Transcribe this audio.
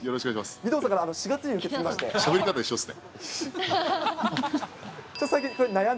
義堂さんから４月に受け継ぎしゃべり方、一緒ですね。